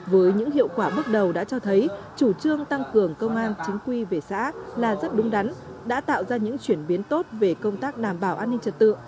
với những hiệu quả bước đầu đã cho thấy chủ trương tăng cường công an chính quy về xã là rất đúng đắn đã tạo ra những chuyển biến tốt về công tác đảm bảo an ninh trật tự